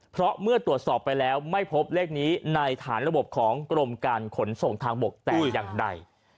เพราะเมื่อตรวจสอบไปแล้วไม่พบเลขนี้ในฐานระบบของกรมการขนส่งทางบกแต่อย่างใด